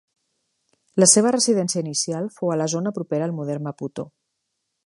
La seva residència inicial fou a la zona propera al modern Maputo.